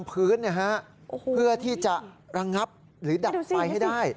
เพื่อที่จะระงับหรือดับไฟให้ได้